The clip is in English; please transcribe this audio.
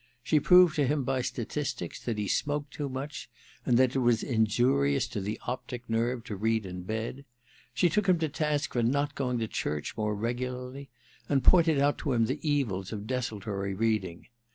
She proved to him by statistics that he smoked too much, and that it was injurious to the optic nerve to read in bed. She took him to task for not going to church more regularly, and pointed out to him the evils of desultory reading.